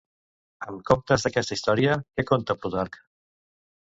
En comptes d'aquesta història, què conta Plutarc?